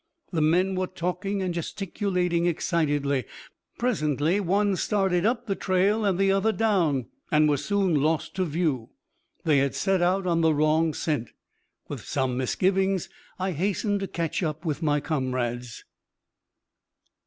The men were talking and gesticulating excitedly. Presently one started up the trail, and the other down, and were soon lost to view. They had set out on the wrong scent. With some misgivings I hastened to catch up with my comrades.